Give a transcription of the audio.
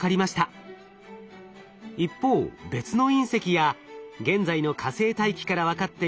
一方別の隕石や現在の火星大気から分かっている比率がこちら。